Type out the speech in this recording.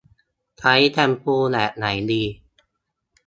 ใช้แชมพูแบบไหนดี